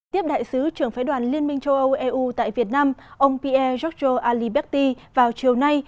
tiếp đại sứ trưởng phái đoàn liên minh châu âu eu tại việt nam ông pierre georges aliberti vào chiều nay